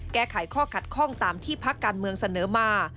แก้ไขข้อขัดข้องตามที่พักการเมืองเสนอมา